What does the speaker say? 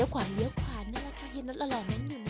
นั่นแหละค่ะเห็นรสอร่อยไหมอยู่นั่ง